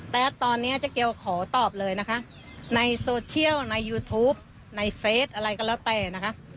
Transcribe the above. แต่ตอนนี้เจ๊เกียวขอตอบเลยนะคะในโซเชียลในยูทูปในเฟสอะไรก็แล้วแต่นะคะ